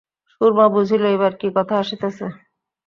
সুরমা বুঝিল, এইবার কী কথা আসিতেছে।